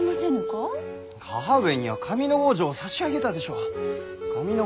母上には上ノ郷城を差し上げたでしょう上ノ